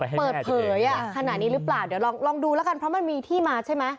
ไปให้แม่ตัวเองอ่าขนาดนี้หรือเปล่าเดี๋ยวลองลองดูแล้วกันเพราะมันมีที่มาใช่ไหม